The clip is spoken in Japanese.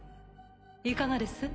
いかがです？